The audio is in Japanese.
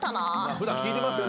普段聞いてますよでも。